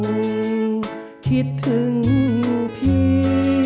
เจ้าคงคิดถึงพี่